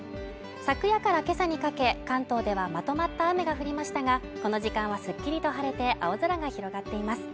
昨夜から今朝にかけ関東ではまとまった雨が降りましたがこの時間はすっきりと晴れて青空が広がっています